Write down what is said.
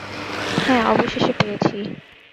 হ্যাঁ, অবশেষে পেয়েছি।